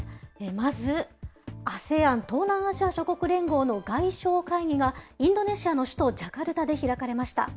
まずＡＳＥＡＮ・東南アジア諸国連合の外相会議が、インドネシアの首都ジャカルタで開かれました。